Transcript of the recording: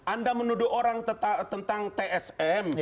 anda menuduh orang tentang tsm